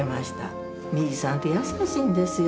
リーチさんって優しいんですよ